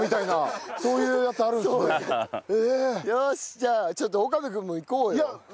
じゃあちょっと岡部君もいこうよ。